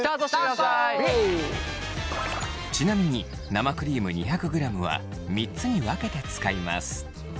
ちなみに生クリーム２００ｇは３つに分けて使います。